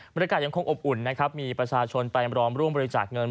ยังคงอบอุ่นนะครับมีประชาชนไปรอมร่วมบริจาคเงิน